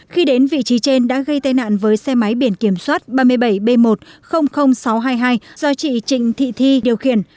khi đến vị trí trên đã gây tai nạn với xe máy biển kiểm soát ba mươi bảy b một sáu trăm hai mươi hai do chị trịnh thị thi điều khiển